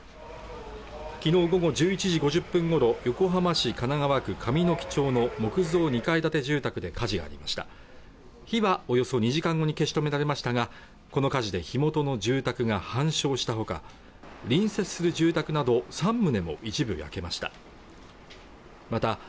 昨日午後１１時５０分ごろ横浜市神奈川区神之木町の木造２階建て住宅で火事がありました火はおよそ２時間後に消し止められましたがこの火事で火元の住宅が半焼したほか隣接する住宅など三棟も一部焼けました